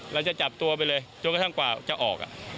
เราจะจับตัวไปเลยจนกระทั่งกว่าจะออก